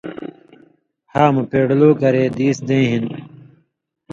ہا مہ پیڑلو کرے دیس دېں ہِن